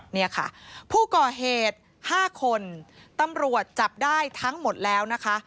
เนี่ยค่ะผู้ก่อเหตุ๕คนตำรวจจับได้ทั้งหมดแล้วนะคะ